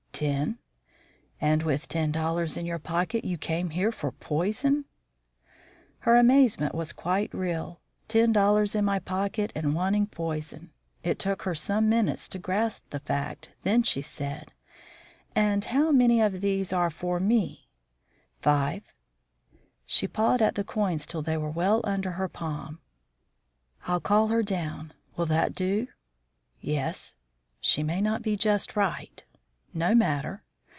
"Ten." "And with ten dollars in your pocket you come here for poison?" Her amazement was quite real. Ten dollars in my pocket and wanting poison! It took her some minutes to grasp the fact; then she said: "And how many of these are for me?" "Five." She pawed at the coins till they were well under her palm. "I'll call her down; will that do?" "Yes." "She may not be just right." "No matter."